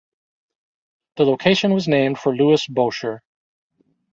The location was named for Louis Boucher.